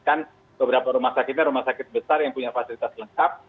kan beberapa rumah sakitnya rumah sakit besar yang punya fasilitas lengkap